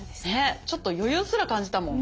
ちょっと余裕すら感じたもん。